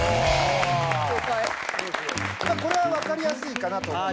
これは分かりやすいかなと。